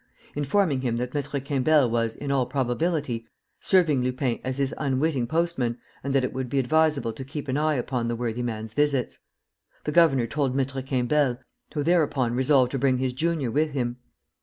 informing him that Maître Quimbel was, in all probability, serving Lupin as his unwitting postman and that it would be advisable to keep an eye upon the worthy man's visits. The governor told Maître Quimbel, who thereupon resolved to bring his junior with him.